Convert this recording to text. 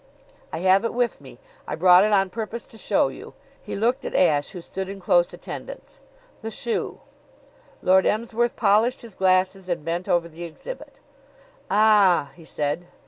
"I have it with me. I brought it on purpose to show you." He looked at Ashe, who stood in close attendance. "The shoe!" Lord Emsworth polished his glasses and bent over the exhibit. "Ah!" he said.